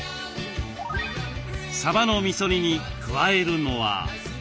さばのみそ煮に加えるのは。